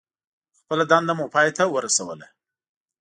خپله دنده مو پای ته ورسوله.